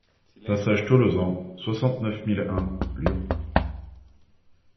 Passage Tolozan, soixante-neuf mille un Lyon